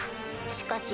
しかし。